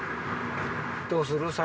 どうする？